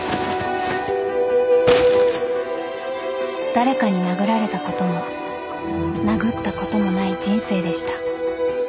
［誰かに殴られたことも殴ったこともない人生でした］